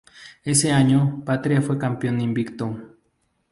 Ese año Patria fue campeón invicto.